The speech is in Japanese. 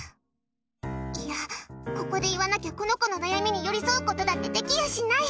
いや、ここで言わなきゃこの子の悩みに寄り添うことなんてできやしない！